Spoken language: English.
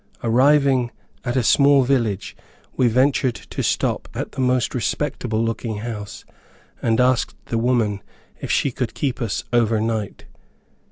Arriving at a small village, we ventured to stop at the most respectable looking house, and asked the woman if she could keep us over night.